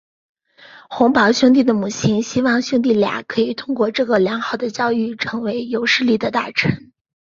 洪堡兄弟的母亲希望兄弟俩可以通过这个良好的教育成为有势力的大臣。